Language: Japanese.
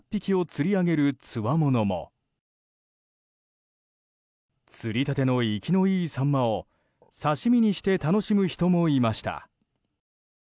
釣りたての生きのいいサンマを刺し身にして楽しむ人もいました。